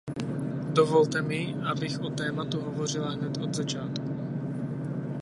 Dovolte mi, abych o tématu hovořila hned od začátku.